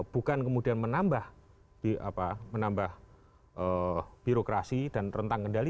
bukan kemudian menambah birokrasi dan rentang kendali